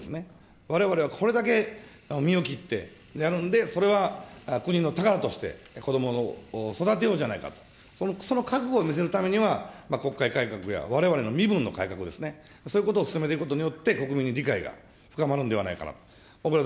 われわれはこれだけ身を切ってやるんで、それは国の宝として、子どもを育てようじゃないかと、その覚悟を見せるためには、国会改革や、われわれの身分の改革ですね、そういうことを進めていくことによって、国民の理解が深まるんではないかなと思うんです。